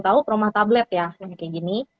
tahu perumah tablet ya yang kayak gini